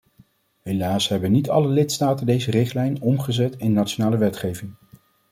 Helaas hebben niet alle lidstaten deze richtlijn omgezet in nationale wetgeving.